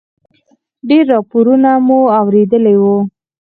ډېر راپورونه مو اورېدلي و.